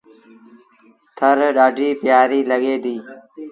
ٿر ڏآڍيٚ پيٚآريٚ لڳي ديٚ۔